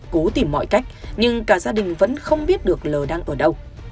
cố tìm mọi cách nhưng cả gia đình vẫn không biết được lờ đang ở đâu